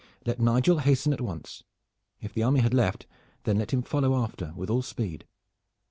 Let Nigel hasten at once. If the army had left, then let him follow after with all speed.